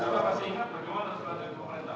bagaimana kalau ada